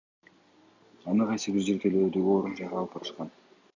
Аны кайсы бир жер төлөөдөгү орун жайга алып барышкан.